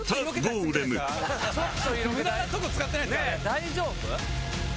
大丈夫？